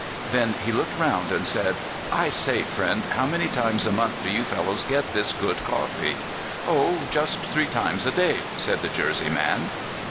Then he looked round and said: "I say, friend, how many times a month do you fellows get this good coffee?" "Oh, just three times a day," said the Jersey man.